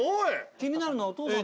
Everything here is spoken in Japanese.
気になるのはおとうさんの。